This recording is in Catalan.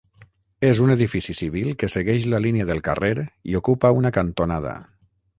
És un edifici civil que segueix la línia del carrer i ocupa una cantonada.